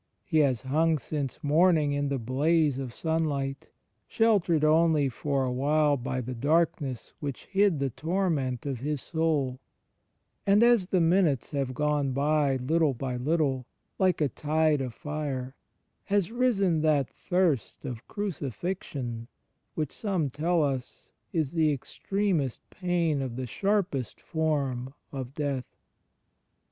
He has hung since morn ing in the blaze of sunlight, sheltered only for a while by the darkness which hid the torment of His Soul; and as the minutes have gone by, little by little, like a tide of fire, has risen that thirst of Crucifixion which, some tell us, is the extremest pain of the sharpest form of death.